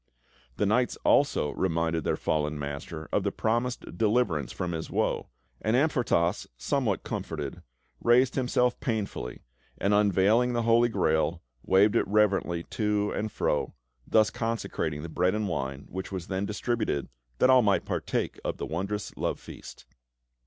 The knights also reminded their fallen master of the promised deliverance from his woe, and Amfortas, somewhat comforted, raised himself painfully, and, unveiling the Holy Grail, waved it reverently to and fro, thus consecrating the bread and wine, which was then distributed, that all might partake of the wondrous Love Feast.